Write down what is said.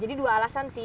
jadi dua alasan sih